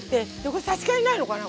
これ差し替えないのかな？